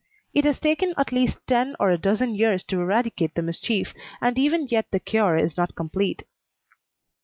It has taken at least ten or a dozen years to eradicate the mischief, and even yet the cure is not complete.